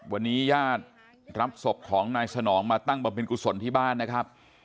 วันนี้ญาติรับศพของนายสนองมาตั้งบำเพ็ญกุศลที่บ้านนะครับ